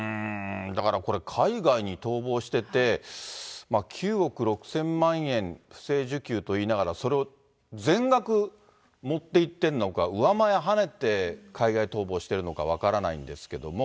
だからこれ、海外に逃亡してて、９億６０００万円不正受給といいながら、それを全額持っていってるのか、うわまえはねて海外逃亡しているのか分からないんですけども。